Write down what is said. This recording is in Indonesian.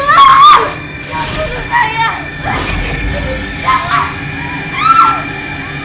aku gak mau